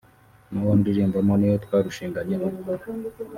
n’uwo ndirimbamo niwe twarushinganye ubu